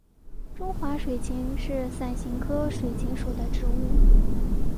中华水芹是伞形科水芹属的植物。